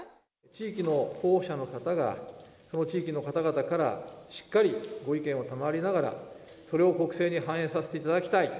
地域の候補者の方が、その地域の方々からしっかりご意見を賜りながら、それを国政に反映させていただきたい。